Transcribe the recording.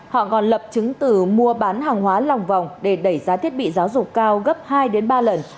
họ còn lập chứng từ mua bán hàng hóa lòng vòng để đẩy giá thiết bị giáo dục cao gấp hai đến ba lần